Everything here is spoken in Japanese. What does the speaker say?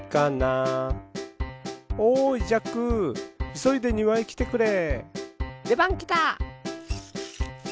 いそいでにわへきてくれ。